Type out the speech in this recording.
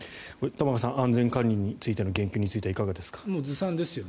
玉川さん安全管理についての言及についてはいかがですか。